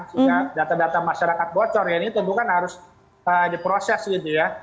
sehingga data data masyarakat bocor ya ini tentu kan harus diproses gitu ya